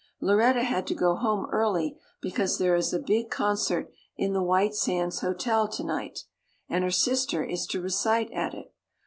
Lauretta had to go home early because there is a big concert in the White Sands Hotel tonight and her sister is to recite at it.